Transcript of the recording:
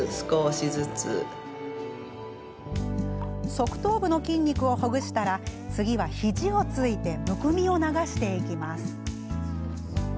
側頭部の筋肉をほぐしたら次は、肘をついてむくみを流していきます。